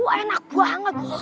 waduh enak banget